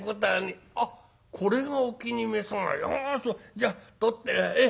じゃあ取ってええ。